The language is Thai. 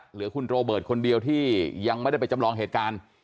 เหลือคุณโรเบิร์ตคนเดียวที่ยังไม่ได้ไปจำลองเหตุการณ์